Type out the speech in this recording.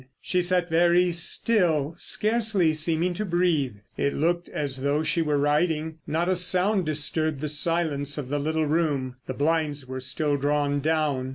She sat very still, scarcely seeming to breathe. It looked as though she were writing: not a sound disturbed the silence of the little room. The blinds were still drawn down.